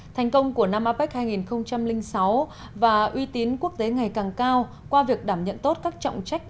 thành công của năm apec hai nghìn sáu và uy tín quốc tế ngày càng cao qua việc đảm nhận tốt các trọng trách